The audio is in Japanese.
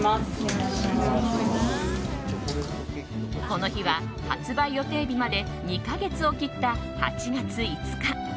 この日は発売予定日まで２か月を切った、８月５日。